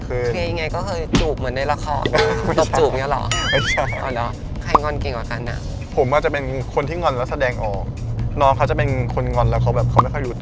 พูดเรื่อยก็มีแต่ไม่ยอมคุยด้วยก็มี